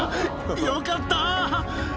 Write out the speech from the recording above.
よかった！